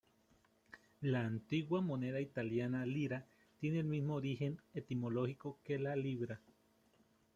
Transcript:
La antigua moneda italiana "lira" tiene el mismo origen etimológico que la libra.